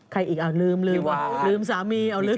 ใครอีกอ่ะลืมลืมสามีเอาลืม